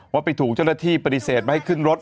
ว่าไปถูกเจ้าหน้าที่ปฏิเสธไม่ให้ขึ้นรถ